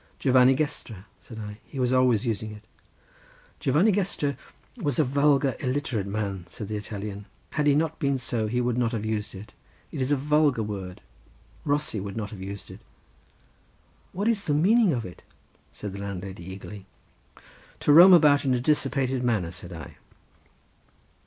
"Giovanni Gestra," said I—"he was always using it." "Giovanni Gestra was a vulgar illiterate man," said the Italian; "had he not been so he would not have used it. It is a vulgar word; Rossi would not have used it." "What is the meaning of it?" said the landlady eagerly. "To roam about in a dissipated manner," said I.